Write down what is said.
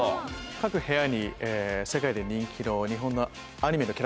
各部屋に世界で人気の日本の。